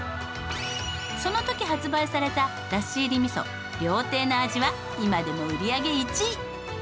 その時発売されただし入りみそ料亭の味は今でも売り上げ１位。